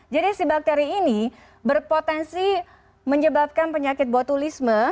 jadi si bakteri ini berpotensi menyebabkan penyakit botulisme